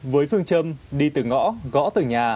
với phương châm đi từ ngõ gõ từ nhà